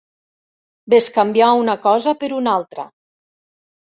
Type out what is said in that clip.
Bescanviar una cosa per una altra.